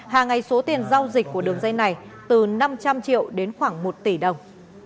hàng ngày số tiền giao dịch của đường dây này từ năm trăm linh triệu đến khoảng một tỷ đồng